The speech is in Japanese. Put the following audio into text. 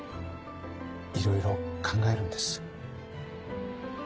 いろいろ考えるんです。